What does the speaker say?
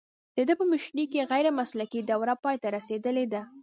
د ده په مشرۍ کې غیر مسلکي دوره پای ته رسیدلې ده